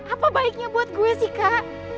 apa baiknya buat gue sih kak